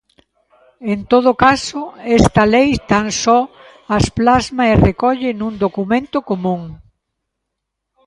En todo caso, esta lei tan só as plasma e recolle nun documento común.